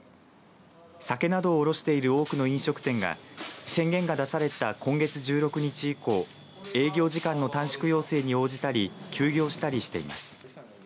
酒などを卸している多くの飲食店が宣言が出された今月１６日以降営業時間の短縮要請に応じたり休業したりしています。